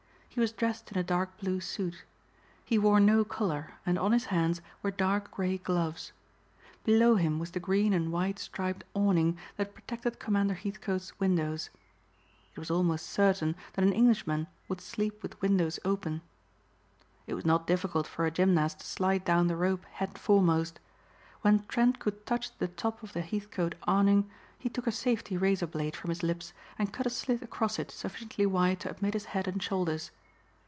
He was dressed in a dark blue suit. He wore no collar and on his hands were dark gray gloves. Below him was the green and white striped awning that protected Commander Heathcote's windows. It was almost certain that an Englishman would sleep with windows open. It was not difficult for a gymnast to slide down the rope head foremost. When Trent could touch the top of the Heathcote awning he took a safety razor blade from his lips and cut a slit across it sufficiently wide to admit his head and shoulders.